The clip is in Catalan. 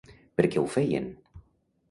Per què ho feien?